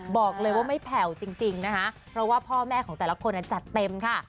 บอกเลยว่าไม่แผ่วจริงนะคะเพราะว่าพ่อแม่ของแต่ละคนจัดเต็มค่ะ